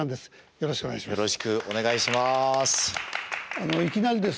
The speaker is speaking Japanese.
よろしくお願いします。